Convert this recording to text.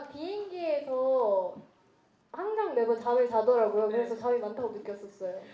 ก็คือลีซก็บินเกียร์ด้วย